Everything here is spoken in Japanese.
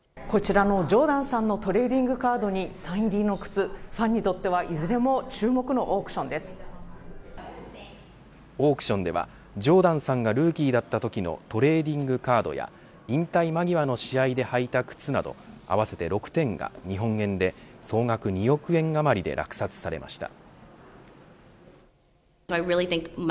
こちらのジョーダンさんのトレーディングカードにサイン入りの靴ファンにとっては、いずれもオークションではジョーダンさんがルーキーだったときのトレーディングカードや引退間際の試合で履いた靴など合わせて６点が総額２億円あまりで落札されました。